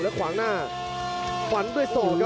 ขวางหน้าฟันด้วยศอกครับ